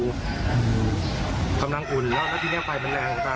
อืมคำนังอุ่นแล้วแล้วนาทีนี้ไฟมันแรงกว่าตา